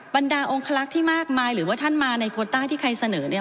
บรรดาองคลักษณ์ที่มากมายหรือว่าท่านมาในโคต้าที่ใครเสนอเนี่ย